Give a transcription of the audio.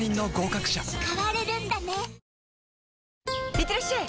いってらっしゃい！